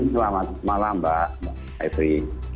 selamat malam mbak